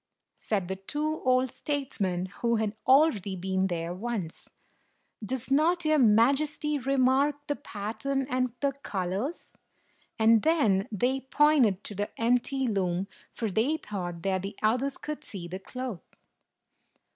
said the two old statesmen who had already been there once. "Does not your Majesty remark the pattern and the colors?" And then they pointed to the empty loom, for they thought that the others could see the cloth.